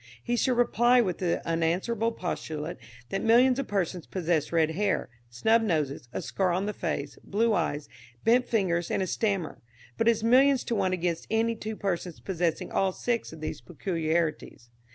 He should reply with the unanswerable postulate that millions of persons possess red hair, snub noses, a scar on the face, blue eyes, bent fingers and a stammer; but it is millions to one against any two persons possessing all six of those peculiarities.